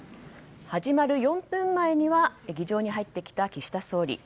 始まる４分前には議場に入ってきた岸田総理。